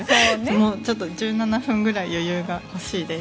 もっと１７分くらい余裕が欲しいです。